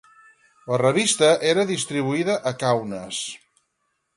La revista era distribuïda a Kaunas.